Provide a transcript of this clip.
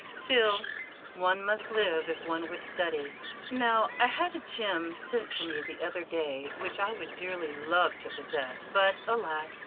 Still, one must live if one would study. Now, I had a gem sent to me the other day which I would dearly love to possess, but, alas!